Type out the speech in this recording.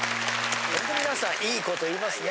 ホント皆さんいいこと言いますね。